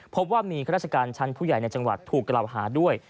พบว่ามีข้าราชการชั้นผู้ใหญ่ในจังหวัดถูกกล่าวหาด้วย